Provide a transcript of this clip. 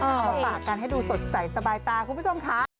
เอามาฝากกันให้ดูสดใสสบายตาคุณผู้ชมค่ะ